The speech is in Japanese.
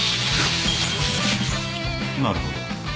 なるほど。